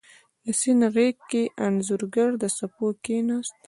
د سیند غیږ کې انځورګر د څپو کښېناست